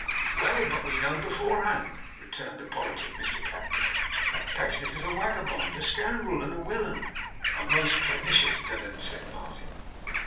'Well, but we know beforehand,' returned the politic Mr Tapley, 'that Pecksniff is a wagabond, a scoundrel, and a willain.' 'A most pernicious villain!' said Martin.